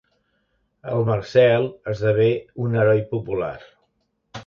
El Marcel esdevé un heroi popular.